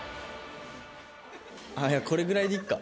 あっこれぐらいでいっか。